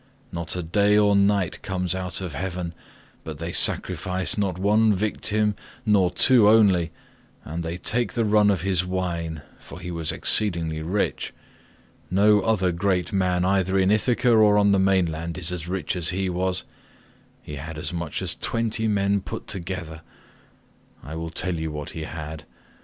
Not a day or night comes out of heaven, but they sacrifice not one victim nor two only, and they take the run of his wine, for he was exceedingly rich. No other great man either in Ithaca or on the mainland is as rich as he was; he had as much as twenty men put together. I will tell you what he had.